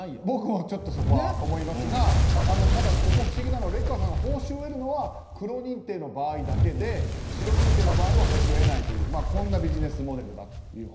僕もそこは思いますがただ、不思議なのはレッカーさんが報酬を得るのはクロ認定の場合だけでシロ認定の場合は報酬を得ないというこんなビジネスモデルだと。